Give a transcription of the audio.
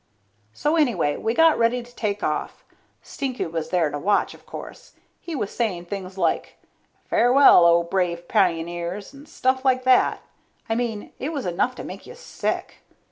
So anyway, we got ready to take off. Stinky was there to watch, of course. He was saying things like, farewell, O brave pioneers, and stuff like that. I mean it was enough to make you sick.